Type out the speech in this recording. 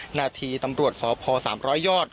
หน้าที่ตำรวจสพ๓๐๐ยอด